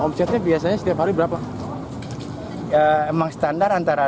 omsetnya biasanya setiap hari berapa ya emang standar antara